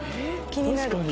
気になる。